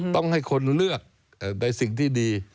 ต้องให้คนเลือกในสิ่งที่ดี